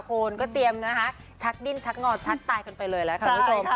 คุณก็เตรียมนะคะชักดิ้นชักงอชักตายกันไปเลยแล้วคุณผู้ชม